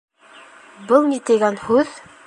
Был ни тигән һүҙ?